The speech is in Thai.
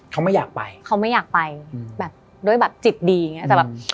เขาไม่อยากไปเขาไม่อยากไปแบบด้วยแบบจิตดีอย่างเงี้แต่แบบ